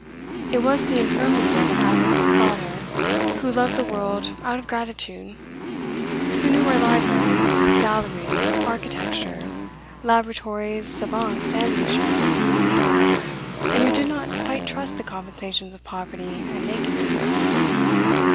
It was the infirmity of an admirable scholar, who loved the world out of gratitude; who knew where libraries, galleries, architecture, laboratories, savants, and leisure, were to be had, and who did not quite trust the compensations of poverty and nakedness.